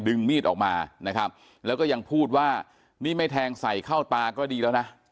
มีดออกมานะครับแล้วก็ยังพูดว่านี่ไม่แทงใส่เข้าตาก็ดีแล้วนะ